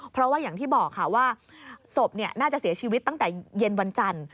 เพราะว่าอย่างที่บอกค่ะว่าศพน่าจะเสียชีวิตตั้งแต่เย็นวันจันทร์